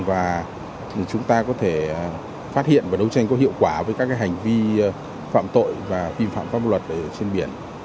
và chúng ta có thể phát hiện và đấu tranh có hiệu quả với các cái hành vi phạm tội và phim phạm pháp luật ở trên biển